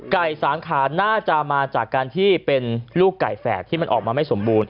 สามขาน่าจะมาจากการที่เป็นลูกไก่แฝดที่มันออกมาไม่สมบูรณ